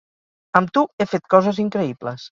Amb tu he fet coses increïbles.